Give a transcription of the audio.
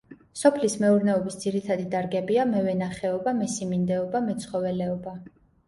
სოფლის მეურნეობის ძირითადი დარგებია: მევენახეობა, მესიმინდეობა, მეცხოველეობა.